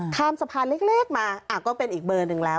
ข้ามสะพานเล็กมาก็เป็นอีกเบอร์หนึ่งแล้ว